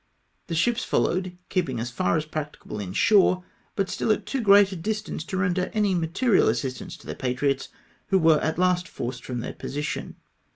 The ships followed, keeping as far as practicable in shore ; but still at too great a distance to render any material assistance to the patriots, who were at last forced from their position.